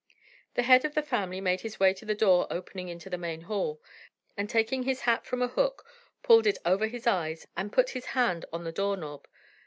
The head of the family made his way to the door opening into the main hall, and taking his hat from a hook, pulled it over his eyes and put his hand on the door knob.